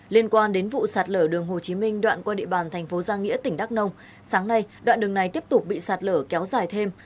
liên quan đến vụ sạt lở đường hồ chí minh đoạn qua địa bàn thành phố giang nghĩa tỉnh đắk nông sáng nay đoạn đường này tiếp tục bị sạt lở kéo dài thêm